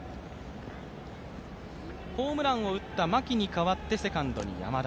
ホームランを打った牧に代わって、セカンドに山田。